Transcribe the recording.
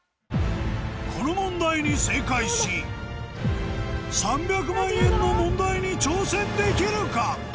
この問題に正解し３００万円の問題に挑戦できるか？